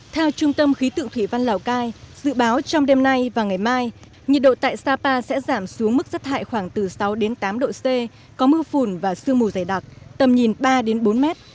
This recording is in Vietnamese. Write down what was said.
theo trung tâm khí tượng thủy văn lào cai dự báo trong đêm nay và ngày mai nhiệt độ tại sapa sẽ giảm xuống mức rất hại khoảng từ sáu đến tám độ c có mưa phùn và sương mù dày đặc tầm nhìn ba bốn mét